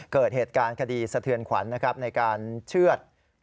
เกิดเหตุการณ์คดีสะเทือนขวัญนะครับในการเชื่อด